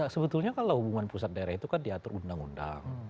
sebetulnya kalau hubungan pusat daerah itu kan diatur undang undang